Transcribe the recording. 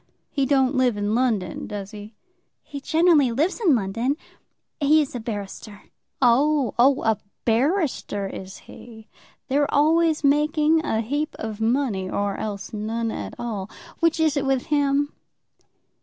He don't live in London; does he?" "He generally lives in London. He is a barrister." "Oh, oh; a barrister is he. They're always making a heap of money, or else none at all. Which is it with him?"